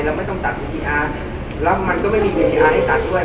เราไม่ต้องตัดวิทยาแล้วมันก็ไม่มีวิทยาให้ตัดด้วย